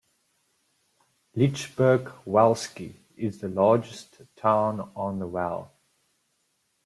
Lidzbark Welski is the largest town on the Wel.